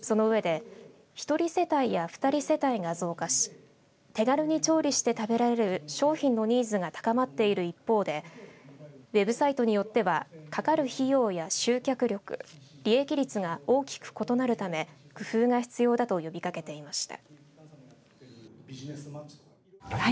そのうえで１人世帯や２人世帯が増加し手軽に調理して食べられる商品のニーズが高まっている一方でウェブサイトによってはかかる費用や集客力利益率が大きく異なるため工夫が必要だと呼びかけていました。